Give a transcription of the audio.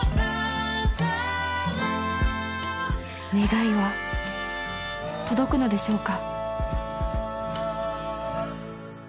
［願いは届くのでしょうか］